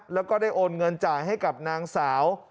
แล้วก็ได้โอนเงินจ่ายให้กับนางสาว